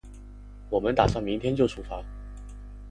我们打算明天就出发